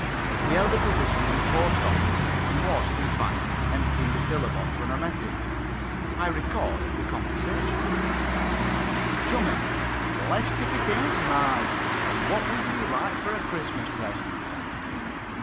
He held a position in the Post Office, and was, in fact, emptying a pillar box when I met him. I record the conversation. CHUMMIE: Blessed if it ain't Marge! And what would you like for a Christmas present?